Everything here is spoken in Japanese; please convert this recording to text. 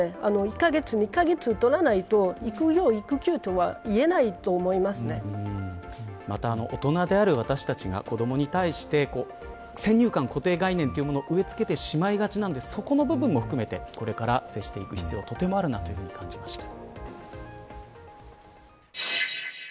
１カ月、２カ月取らないと育業、育休とはまた、大人である私たちが子どもに対して先入観、固定概念を植えつけてしまいがちですがそこの部分も含めてこれから接していく必要があると感じました。